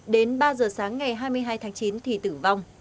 đến ba giờ sáng ngày hai mươi hai tháng chín thì tử vong